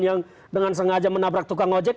yang dengan sengaja menabrak tukang ojek